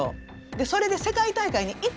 でそれで世界大会に行ったんですよ。